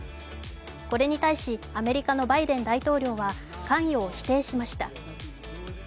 これに対しアメリカのバイデン大統領は関与を否定しました。